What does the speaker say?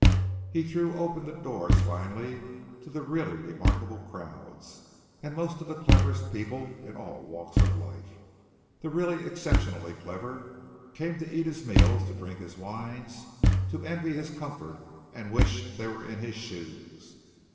He threw open the doors finally to really remarkable crowds and most of the cleverest people in all walks of life the really exceptionally clever came to eat his meals, to drink his wines, to envy his comfort and wish they were in his shoes.